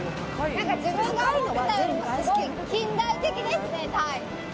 自分が思ってたよりすごい、近代的ですね、タイ。